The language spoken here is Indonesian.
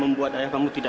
terima kasih packing